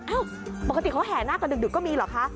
เอ้าปกติเขาแห่งนักก็ดึกก็มีเหรอคะ